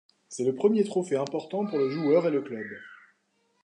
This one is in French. C'est le premier trophée important pour le joueur et le club.